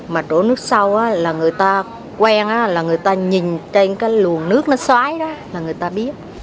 mà đổ nước sâu là người ta quen là người ta nhìn trên cái luồng nước nó xoáy đó là người ta biết